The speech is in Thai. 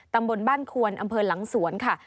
ตำบลบ้านควนอำเภอหลังสวนค่ะ